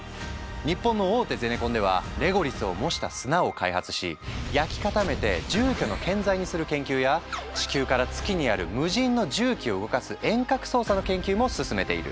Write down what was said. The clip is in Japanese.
日本の大手ゼネコンではレゴリスを模した砂を開発し焼き固めて住居の建材にする研究や地球から月にある無人の重機を動かす遠隔操作の研究も進めている。